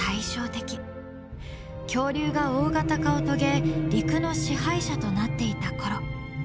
恐竜が大型化を遂げ陸の支配者となっていた頃。